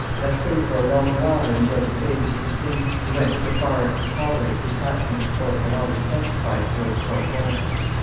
Racine for a long while enjoyed the favors of the king, who went so far as to tolerate the attachment the poet had always testified towards Port Royal.